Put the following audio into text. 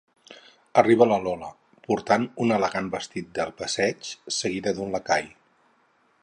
Arriba la Lola, portant un elegant vestit de passeig, seguida d'un lacai.